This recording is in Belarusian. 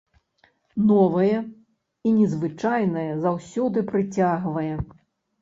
Новае і незвычайнае заўсёды прыцягвае.